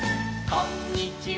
「こんにちは」「」